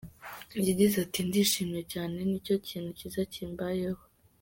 Yagize ati” Ndishimye cyane, ni cyo kintu cyiza kimbayeho.